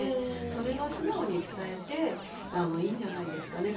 それは素直に伝えていいんじゃないですかね。